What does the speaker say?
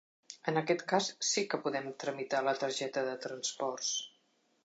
En aquest cas sí que podem tramitar la targeta de transports.